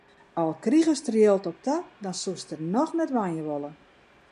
Al krigest der jild op ta, dan soest der noch net wenje wolle.